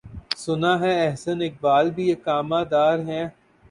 سناہے احسن اقبال بھی اقامہ دارہیں۔